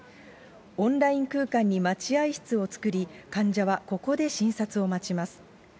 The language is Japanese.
オンライン空間に待合室を作り、患者はここで診察を待ちます。